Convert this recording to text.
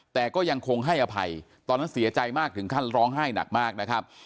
แต่ก็ยังคงให้อภัยตอนนั้นเสียใจมากถึงขั้นร้องไห้หนักมากนะครับ